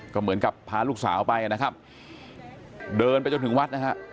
ก็เหมือนกับพาลูกสาวไปนะครับเดินไปจนถึงวัดนะฮะ